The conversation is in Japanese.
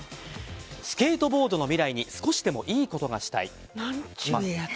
スケートボードの未来に少しでもいいことがしたい。